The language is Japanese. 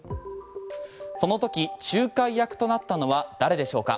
そのとき仲介役となったのは誰でしょうか。